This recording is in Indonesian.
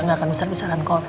nggak akan besar besaran kok